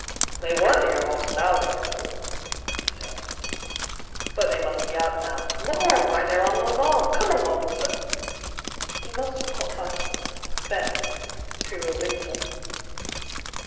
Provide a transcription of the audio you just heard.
" They was here half an hour ago," he said ;" but they must be out now. Lor I why they're on the lawn. Come along, sir !" He must have caught sight of " them " through a window.